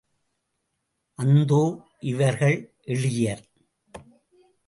அந்தோ இவர்கள் எளியர்!